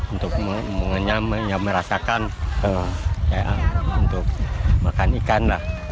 untuk merasakan untuk makan ikan lah